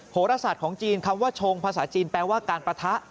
โหรศาสตร์ของจีนคำว่าชงภาษาจีนแปลว่าการปะทะ